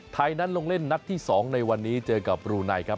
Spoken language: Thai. ไทยนั้นลงเล่นนัดที่๒ในวันนี้เจอกับบรูไนครับ